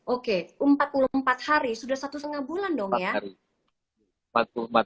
oke empat puluh empat hari sudah satu setengah bulan dong ya